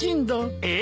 え。